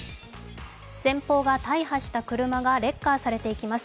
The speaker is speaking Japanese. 前方が大破した車がレッカーされていきます。